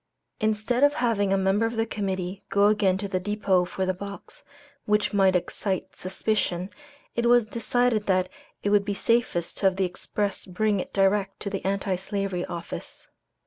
Instead of having a member of the Committee go again to the depot for the box, which might excite suspicion, it was decided that it would be safest to have the express bring it direct to the Anti Slavery Office.